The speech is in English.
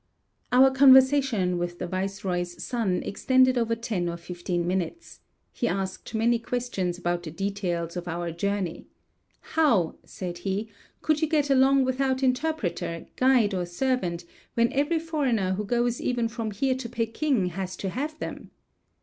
Our conversation with the viceroy's son extended over ten or fifteen minutes. He asked many questions about the details of our journey. "How," said he, "could you get along without interpreter, guide, or servant, when every foreigner who goes even from here to Peking has to have them?"